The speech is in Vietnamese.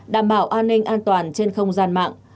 đảm bảo an ninh an toàn trên không gian mạng